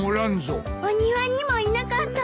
お庭にもいなかったわ。